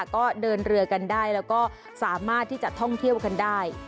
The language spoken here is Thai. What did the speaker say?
ก็เดินเรือกันได้แล้วก็สามารถที่จะท่องเที่ยวกันได้